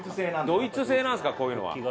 ドイツ製なんですかこういうのは。